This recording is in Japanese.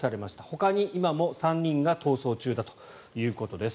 ほかに今も３人が逃走中だということです。